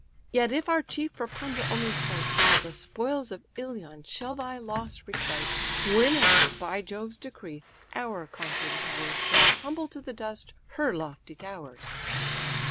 Yet if our chief for plunder only fight, The spoils of Ilion shall thy loss requite, Whene'er, by Jove's decree, our conquering powers Shall humble to the dust her lofty towers."